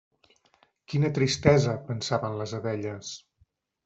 Quina tristesa!, pensaven les abelles.